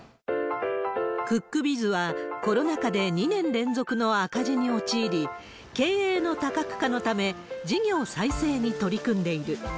クックビズは、コロナ禍で２年連続の赤字に陥り、経営の多角化のため、事業再生に取り組んでいる。